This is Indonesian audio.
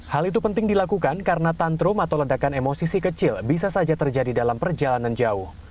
hal itu penting dilakukan karena tantrum atau ledakan emosi si kecil bisa saja terjadi dalam perjalanan jauh